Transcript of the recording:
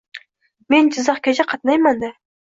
- Men Jizzaxgacha qatnayman-da.